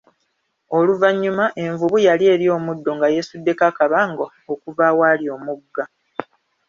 Oluvanyuma, envubu yali erya omuddo nga yesuddeko akabanga okuva awali omugga.